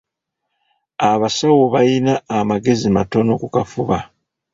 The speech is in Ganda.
Abasawo bayina amagezi matono ku kafuba.